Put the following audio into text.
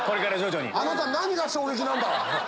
あなた何が衝撃なんだ？